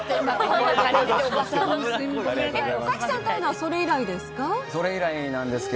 早紀さんとは会うのはそれ以来ですか？